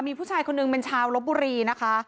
มีผู้ชายคนหนึ่งเป็นชาวลบบุรีนะคะ